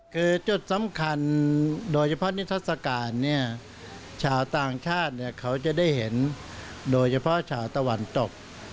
คือจุดสำคัญโดยเฉพาะนิทัศกาลเนี่ยชาวต่างชาติเขาจะได้เห็นโดยเฉพาะชาวตะวันตก